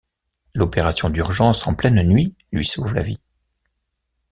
L'opération d'urgence en pleine nuit lui sauve la vie.